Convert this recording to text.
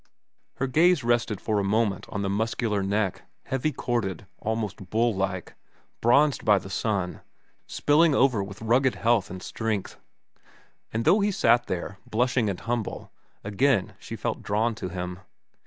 Her gaze rested for a moment on the muscular neck, heavy corded, almost bull like, bronzed by the sun, spilling over with rugged health and strength. And though he sat there, blushing and humble, again she felt drawn to him.